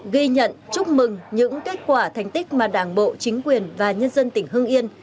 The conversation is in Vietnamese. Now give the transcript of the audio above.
ghi nhận chúc mừng những kết quả thành tích mà đảng bộ chính quyền và nhân dân tỉnh hưng yên